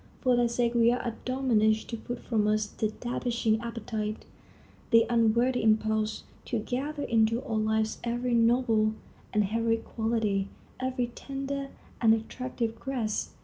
For their sake we are admonished to put from us the debasing appetite, the unworthy impulse; to gather into our lives every noble and heroic quality, every tender and attractive grace.